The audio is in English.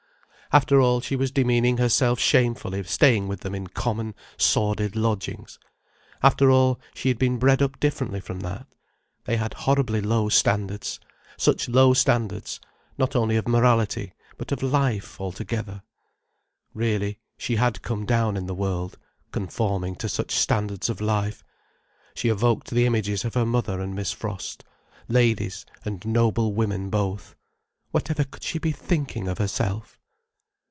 After all, she was demeaning herself shamefully staying with them in common, sordid lodgings. After all, she had been bred up differently from that. They had horribly low standards—such low standards—not only of morality, but of life altogether. Really, she had come down in the world, conforming to such standards of life. She evoked the images of her mother and Miss Frost: ladies, and noble women both. Whatever could she be thinking of herself!